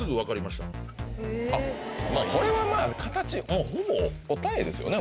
これはまあ形ほぼ答えですよね